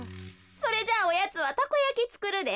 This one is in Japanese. それじゃあおやつはたこやきつくるで。